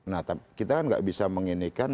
nah kita kan nggak bisa menginikan